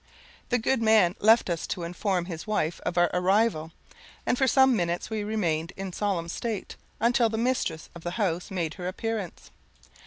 The good man left us to inform his wife of our arrival, and for some minutes we remained in solemn state, until the mistress of the house made her appearance.